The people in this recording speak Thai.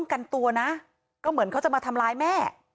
อายุ๑๖นะ